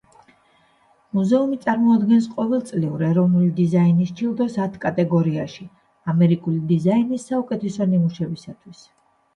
მუზეუმი წარმოადგენს ყოველწლიურ ეროვნული დიზაინის ჯილდოს ათ კატეგორიაში „ამერიკული დიზაინის საუკუთესო ნიმუშებისთვის“.